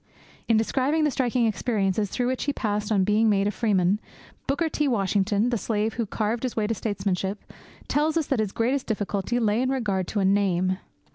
In describing the striking experiences through which he passed on being made a freeman, Booker T. Washington, the slave who carved his way to statesmanship, tells us that his greatest difficulty lay in regard to a name.